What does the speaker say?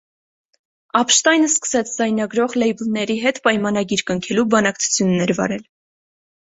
Ափշտայնը սկսեց ձայնագրող լեյբլների հետ պայմանագիր կնքելու բանակցություններ վարել։